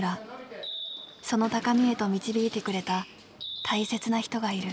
その高みへと導いてくれた大切な人がいる。